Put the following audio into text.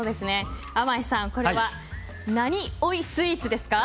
あまいさん、これは何おいスイーツですか？